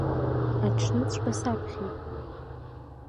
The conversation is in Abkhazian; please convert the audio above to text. Аҽныҵәҟьа саԥхьеит.